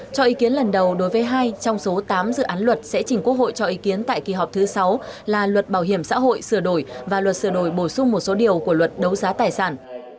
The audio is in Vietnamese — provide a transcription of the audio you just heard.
cho ý kiến lần đầu đối với hai trong số tám dự án luật sẽ chỉnh quốc hội cho ý kiến tại kỳ họp thứ sáu là luật bảo hiểm xã hội sửa đổi và luật sửa đổi bổ sung một số điều của luật đấu giá tài sản